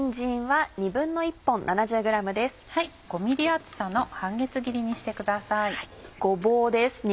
５ｍｍ厚さの半月切りにしてください。